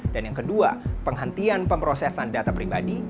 dan yang kedua penghentian pemrosesan data pribadi